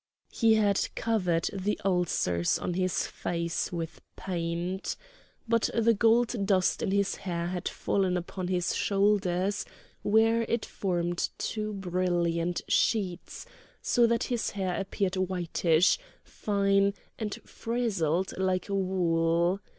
He had covered the ulcers on his face with paint. But the gold dust in his hair had fallen upon his shoulders, where it formed two brilliant sheets, so that his hair appeared whitish, fine, and frizzled like wool.